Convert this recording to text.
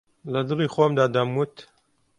لەدڵی خۆمدا دەموت